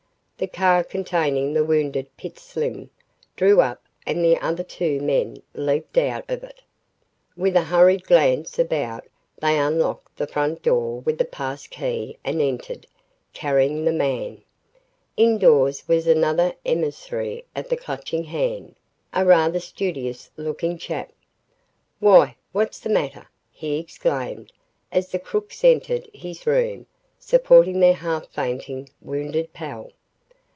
The car containing the wounded Pitts Slim drew up and the other two men leaped out of it. With a hurried glance about, they unlocked the front door with a pass key and entered, carrying the man. Indoors was another emissary of the Clutching Hand, a rather studious looking chap. "Why, what's the matter?" he exclaimed, as the crooks entered his room, supporting their half fainting, wounded pal.